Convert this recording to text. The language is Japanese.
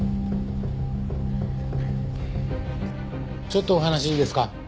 ちょっとお話いいですか？